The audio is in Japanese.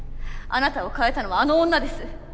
あなたを変えたのはあの女です。